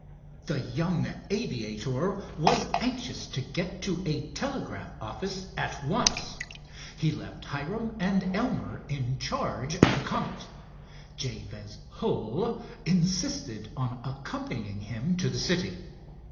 The young aviator was anxious to get to a telegraph office at once. He left Hiram and Elmer in charge of the Comet. Jabez Hull insisted on accompanying him to the city.